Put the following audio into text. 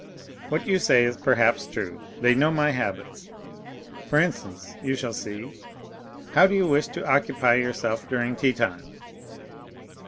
"What you say is perhaps true; they know my habits. For instance, you shall see; how do you wish to occupy yourself during tea time?"